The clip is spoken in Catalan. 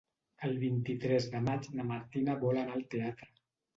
El vint-i-tres de maig na Martina vol anar al teatre.